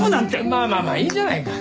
まあまあまあいいじゃないか。